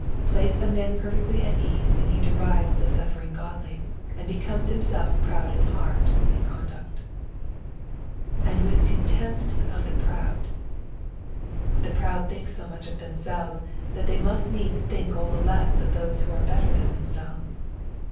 Place a man perfectly at ease and he derides the su&ring godly, and becomes himself proud in heart and conduct. And with the contempt of t?ie proud,'' ^ The proud think so much of themselves that they must needs think all the less of those who are better than them> selves.